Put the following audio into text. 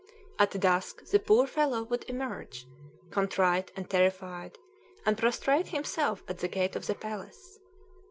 At dusk the poor fellow would emerge, contrite and terrified, and prostrate himself at the gate of the palace.